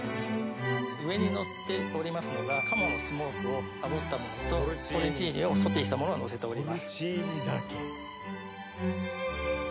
上にのっておりますのがカモのスモークをあぶったものとポルチーニをソテーしたものをのせております。